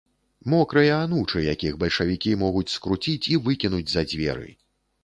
Мокрыя анучы, якіх бальшавікі могуць скруціць і выкінуць за дзверы.